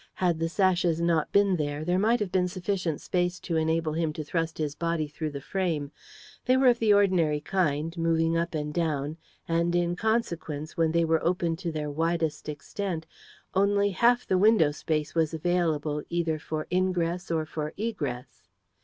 Had the sashes not been there, there might have been sufficient space to enable him to thrust his body through the frame. They were of the ordinary kind, moving up and down, and, in consequence, when they were open to their widest extent, only half the window space was available either for ingress or for egress.